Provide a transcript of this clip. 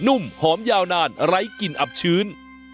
ุ่มหอมยาวนานไร้กลิ่นอับชื้น